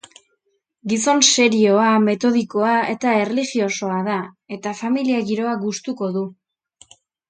Gizon serioa, metodikoa eta erlijiosoa da, eta familia giroa gustuko du.